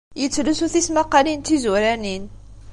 Yettlusu tismaqqalin d tizuranin.